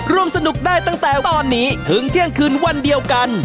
ร่วมสนุกได้ตั้งแต่ตอนนี้ถึงเที่ยงคืนวันเดียวกัน